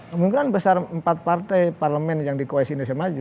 kemungkinan besar empat partai parlemen yang di koalisi indonesia maju